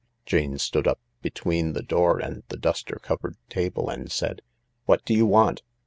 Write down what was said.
Jane stood up between the door and the duster covered table, and said, "What do you want?"